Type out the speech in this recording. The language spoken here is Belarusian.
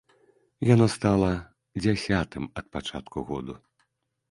Яно стала дзясятым ад пачатку году.